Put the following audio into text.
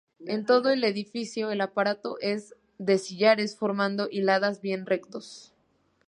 En todo el edificio el aparato es de sillares formando hiladas bien rectos.